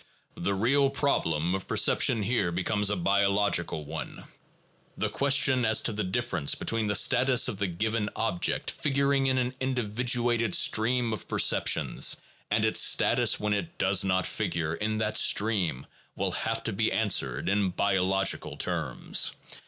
The real problem of perception here becomes a bio logical one. The question as to the difference between the status of the given object figuring in an individuated stream of percep tions and its status when it does not figure in that stream will have to be answered in biological terms.